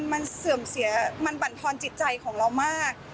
มันเสื่อมเสียมันบรรทอนจิตใจของเรามาก